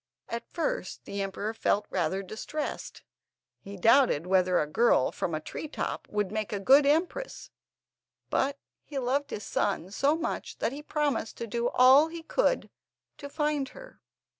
At first the emperor felt rather distressed. He doubted whether a girl from a tree top would make a good empress; but he loved his son so much that he promised to do all he could to find her.